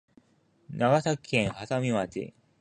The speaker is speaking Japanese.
長崎県波佐見町